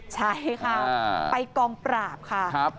ใช่ค่ะไปกองปราบค่ะ